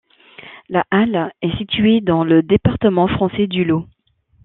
La halle est située dans le département français du Lot.